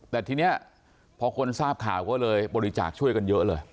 แต่ทีนี้พอคนทราบข่าวก็เลยบริจาคช่วยกันเยอะเลย